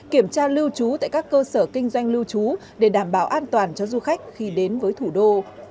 kiểm tra lưu trú tại các cơ sở kinh doanh lưu trú để đảm bảo an toàn cho du khách khi đến với thủ đô